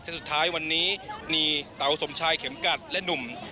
สุดท้ายวันนี้มีเต๋าสมชายเข็มกัดและหนุ่ม